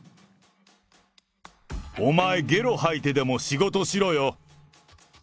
お前、げろ吐いてでも仕事しろよ。